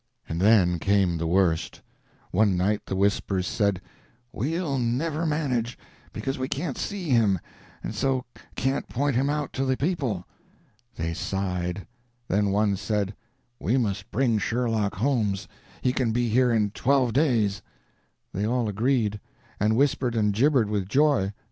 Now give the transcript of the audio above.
And then came the worst. One night the whispers said, "We'll never manage, because we can't see him, and so can't point him out to the people." They sighed; then one said: "We must bring Sherlock Holmes. He can be here in twelve days." They all agreed, and whispered and jibbered with joy.